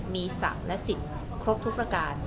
มีศักดิ์และสิทธิ์ครบทุกประการ